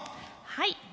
はい。